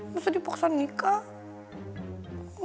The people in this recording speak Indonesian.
bisa dipaksa nikah